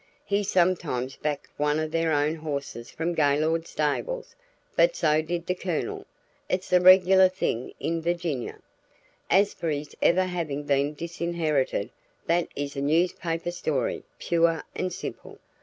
He sometimes backed one of their own horses from the Gaylord stables, but so did the Colonel; it's the regular thing in Virginia. As for his ever having been disinherited, that is a newspaper story, pure and simple.